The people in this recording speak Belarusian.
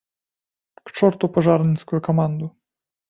К чорту пажарніцкую каманду!